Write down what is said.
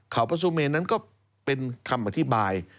เขาพระสุเมนนั้นก็เป็นคำอธิบาย